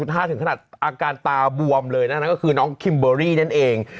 ถึงขนาดอาการตาบวมเลยนะนั่นก็คือน้องคิมเบอรี่นั่นเอง